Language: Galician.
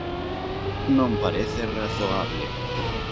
Non parece razoable.